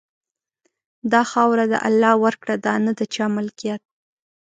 دا خاوره د الله ورکړه ده، نه د چا ملکیت.